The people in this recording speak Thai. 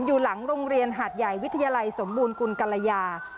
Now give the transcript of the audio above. อยู่หลังโรงเรียนหาดใหญ่วิทยาลัยสมบูรณกุลกรยา